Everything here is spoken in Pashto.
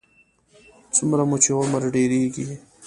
څومره مو چې عمر ډېرېږي.